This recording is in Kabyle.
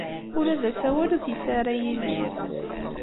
Ula d asawal ur t-yesɛi ara Yidir.